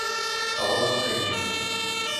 Paula Cândido